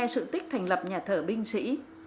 sự tích thành lập nhà thờ binh sĩ